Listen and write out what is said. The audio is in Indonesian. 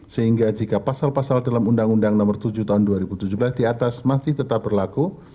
sehingga jika pasal pasal dalam undang undang nomor tujuh tahun dua ribu tujuh belas di atas masih tetap berlaku